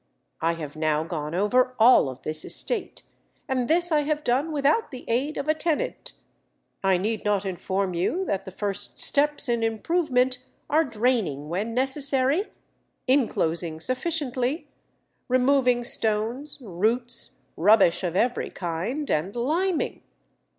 I have now gone over all of this estate, and this I have done without the aid of a tenant.... I need not inform you that the first steps in improvement are draining when necessary, inclosing sufficiently, removing stones, roots, rubbish of every kind, and liming....